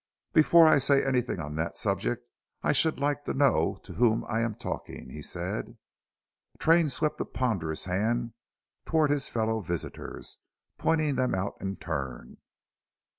"Before I say anything on that subject I should like to know to whom I am talking," he said. Train swept a ponderous hand toward his fellow visitors, pointing them out in turn.